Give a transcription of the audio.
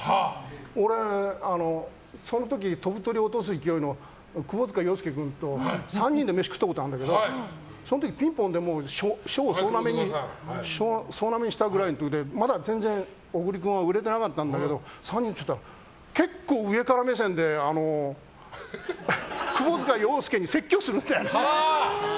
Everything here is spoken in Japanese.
俺、その時、飛ぶ鳥落とす勢いの窪塚洋介君と３人で飯を食ったことあるんだけどその時、「ピンポン」で賞を総なめにしてたくらいでまだ全然小栗君は売れてなかったんだけど３人で食ってたら結構、上から目線で窪塚洋介に説教するんだよね。